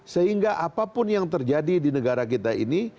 sehingga apapun yang terjadi di negara kita ini